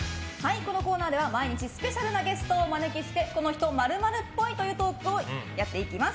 このコーナーでは毎日スペシャルなゲストをお招きしてこの人○○っぽいというトークをやっていきます。